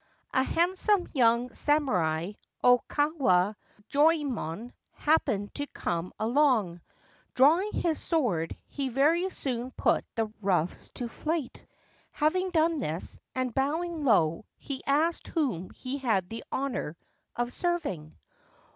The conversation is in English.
A handsome young samurai, Okawa Jomoyemon, happened to come along. Drawing his sword, he very soon put the roughs to flight. Having done this, and bowing low, he asked whom he had the honour of serving.